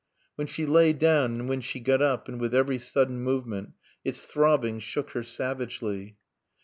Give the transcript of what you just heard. When she lay down and when she got up and with every sudden movement its throbbing shook her savagely.